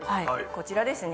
こちらですね。